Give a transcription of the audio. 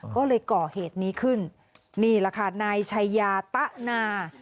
ก็เลยก่อเหตุนี้ขึ้นนี่แหละค่ะนายชัยยาตะนา